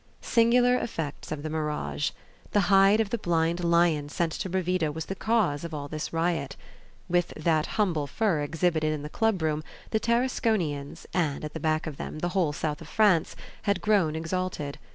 Singular effects of the mirage! the hide of the blind lion sent to Bravida was the cause of all this riot. With that humble fur exhibited in the club room, the Tarasconians, and, at the back of them, the whole South of France, had grown exalted.